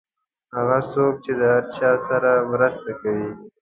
هغه څوک چې د هر چا سره مرسته کوي.